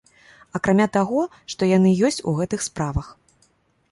Акрамя таго, што яны ёсць у гэтых справах.